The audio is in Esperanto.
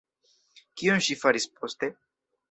Kion ŝi faris poste?